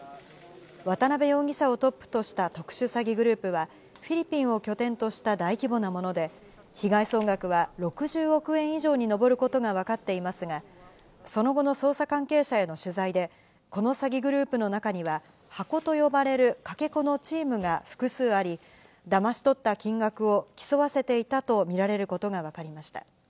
渡辺容疑者をトップとした特殊詐欺グループは、フィリピンを拠点とした大規模なもので、被害総額は６０億円以上に上ることが分かっていますが、その後の捜査関係者への取材で、この詐欺グループの中には、箱と呼ばれるかけ子のチームが複数あり、だまし取った金額を競わせていたと見られることが分かりました。